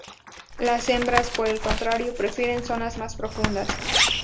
Las hembras, por el contrario, prefieren zonas más profundas.